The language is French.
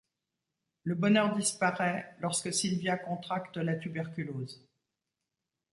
Leur bonheur disparaît lorsque Sylvia contracte la tuberculose.